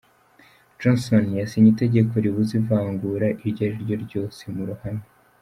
Johnson yasinye itegeko ribuza ivangura iryo ariryo ryose mu ruhame.